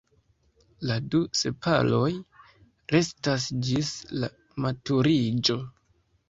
La du sepaloj restas ĝis la maturiĝo.